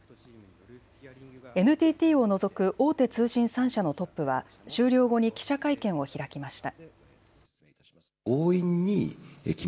ＮＴＴを除く大手通信３社のトップは終了後に記者会見を開きました。